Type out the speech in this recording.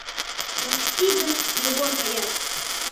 Окси ден Йогор каят.